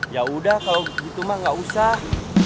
yaudah kalau gitu mah gak usah